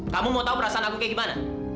kamu mau tahu perasaan aku kayak gimana